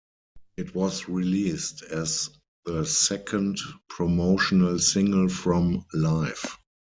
It was released as the second promotional single from Live!